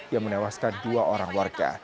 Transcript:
yang menewaskan dua orang warga